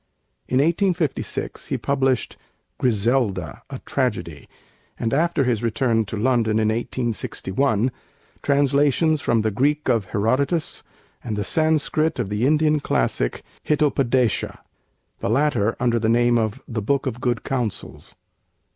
In 1856 he published 'Griselda, a Tragedy'; and after his return to London in 1861, translations from the Greek of Herodotus and the Sanskrit of the Indian classic 'Hitopadeça,' the latter under the name of 'The Book of Good Counsels.'